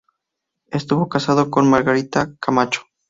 Estuvo casado con Margarita Camacho.